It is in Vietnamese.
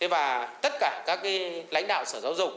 và tất cả các lãnh đạo sở giáo dục